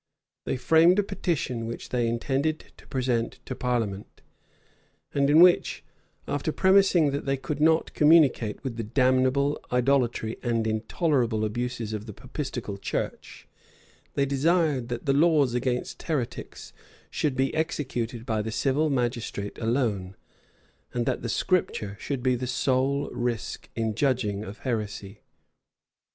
[*] They framed a petition which they intended to present to parliament, and in which, after premising that they could not communicate with the damnable idolatry and intolerable abuses of the Papistical church, they desired that the laws against heretics should be executed by the civil magistrate alone, and that the Scripture should be the sole rule in judging of heresy.